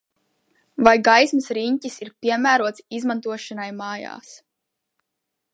Vai gaismas riņķis ir piemērots izmantošanai mājās?